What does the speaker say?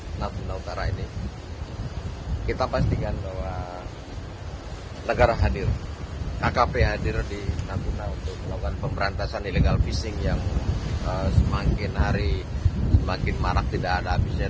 laut natuna utara ini kita pastikan bahwa negara hadir akp hadir di laut natuna utara untuk melakukan pemberantasan ilegal fishing yang semakin hari semakin marah tidak ada